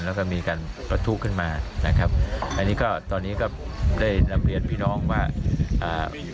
แล้วก็มีการประทุขึ้นมานะครับอันนี้ก็ตอนนี้ก็ได้นำเรียนพี่น้องว่าอ่า